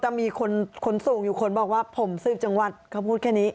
มีคนขนส่งอยู่คนบอกว่าผมสืบจังหวัดเขาพูดแค่นี้